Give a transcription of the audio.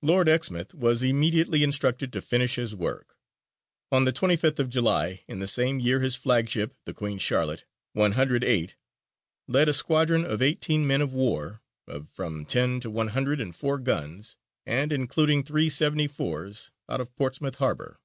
Lord Exmouth was immediately instructed to finish his work. On the 25th of July in the same year his flagship, the Queen Charlotte, 108, led a squadron of eighteen men of war, of from ten to one hundred and four guns, and including three seventy fours, out of Portsmouth harbour.